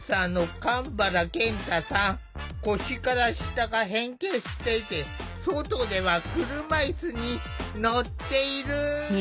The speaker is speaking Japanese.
腰から下が変形していて外では車いすに乗っている。